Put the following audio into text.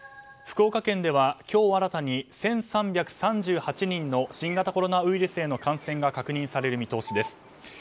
福岡県では今日新たに１３３８人の新型コロナウイルスへの感染が確認される見通しです。